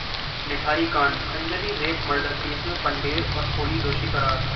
निठारी कांडः Anjali rape murder case में पंढेर और कोली दोषी करार